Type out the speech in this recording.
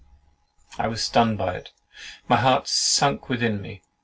I was stunned by it; my heart sunk within me.